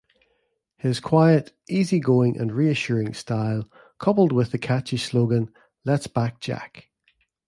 His quiet, easy-going and reassuring style, coupled with the catchy slogan Let's back Jack!